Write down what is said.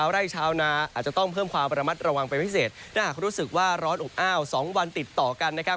ระวังเป็นพิเศษน่าหากรู้สึกว่าร้อนอุ้มอ้าว๒วันติดต่อกันนะครับ